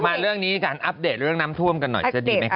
มาเรื่องนี้กันอัปเดตเรื่องน้ำท่วมกันหน่อยจะดีไหมค